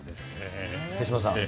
手嶋さん。